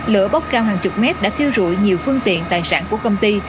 lửa bốc cao hàng chục mét đã thiêu rụi nhiều phương tiện tài sản của công ty